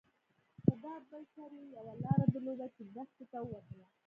خو دا بل سر يې يوه لاره درلوده چې دښتې ته وتله.